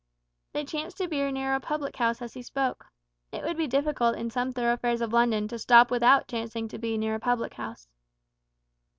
They chanced to be near a public house as he spoke. It would be difficult in some thoroughfares of London to stop without chancing to be near a public house!